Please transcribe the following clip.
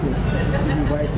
jadi lebih baik lagi